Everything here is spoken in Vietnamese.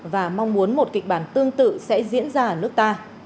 và mong muốn một kịch bản tương tự sẽ diễn ra ở nước ta